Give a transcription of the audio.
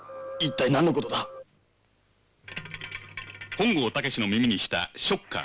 本郷猛の耳にしたショッカー。